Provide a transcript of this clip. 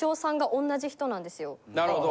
なるほど！